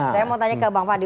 saya mau tanya ke bang fadli